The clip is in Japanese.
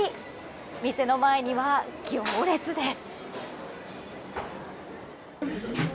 店の前には行列です。